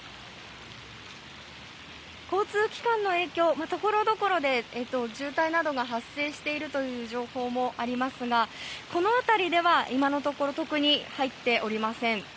交通機関の影響はところどころで渋滞などが発生しているという情報もありますがこの辺りでは今のところ特に入っておりません。